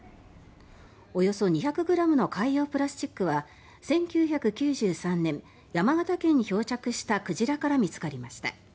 およそ２００ｇの海洋プラスチックは１９９３年山形県に漂着した鯨から見つかりました。